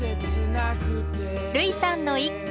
類さんの一句。